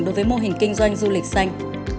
đối với mô hình kinh doanh du lịch xanh